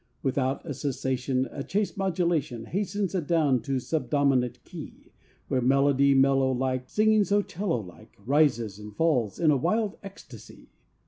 Without a cessation A chaste modulation Hastens adown to subdominant key, Where melody mellow like Singing so 'cello like Rises and falls in a wild ecstasy.